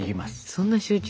そんな集中？